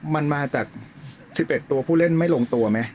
มันมาจาก๑๑ตัวผู้เล่นไม่ลงตัวไหม